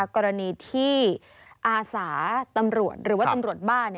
กรณีที่อาสาตำรวจหรือว่าตำรวจบ้าน